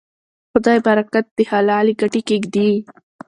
خدای برکت د حلالې ګټې کې ږدي.